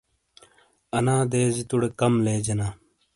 آنا دیزی توڑے کم لیجینا۔